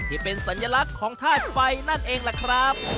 ที่เป็นสัญลักษณ์ของธาตุไฟนั่นเองล่ะครับ